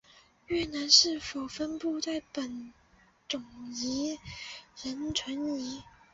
越南是否分布本种亦仍存疑。